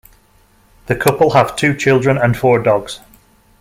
The couple have two children and four dogs.